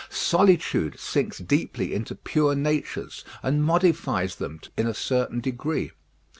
Solitude sinks deeply into pure natures, and modifies them in a certain degree.